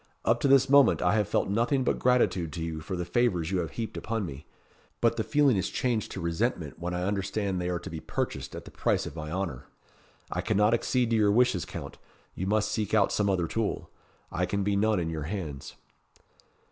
Up to this moment I have felt nothing but gratitude to you for the favours you have heaped upon me; but the feeling is changed to resentment when I understand they are to be purchased at the price of my honour. I cannot accede to your wishes, Count. You must seek out some other tool. I can be none in your hands."